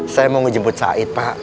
saya mau jemput said pak